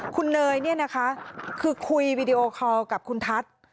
คุณเนยคือคุยวีดีโอคอลกับคุณทัศน์